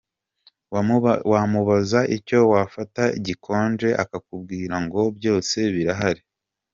Wamubaza icyo wafata gikonje akakubwira ngo byose birahari.